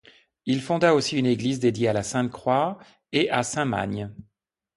Il fonda aussi une église dédiée à la Sainte Croix et à saint Magne.